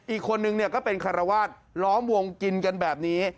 อีกคนนึงก็เป็นคารวาสล้อมวงกินกันแบบนี้